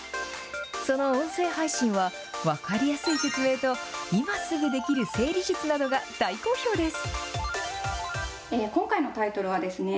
その音声配信は、分かりやすい説明と、今すぐできる整理術などが大好評です。